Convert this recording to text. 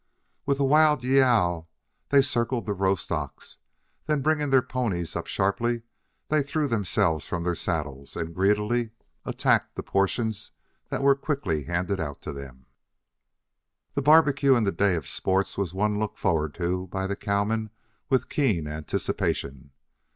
With a wild "y e o w!" they circled the roast ox, then bringing their ponies up sharply, threw themselves from their saddles and greedily attacked the portions that were quickly handed out to them. This barbecue and day of sports was one looked forward to by the cowmen with keen anticipation.